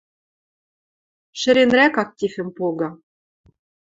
Шӹренрӓк активӹм погы...»